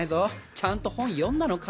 ちゃんと本読んだのか？